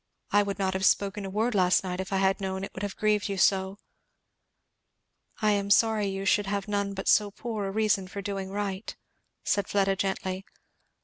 "I would not have spoken a word last night if I had known it would have grieved you so." "I am sorry you should have none but so poor a reason for doing right," said Fleda gently.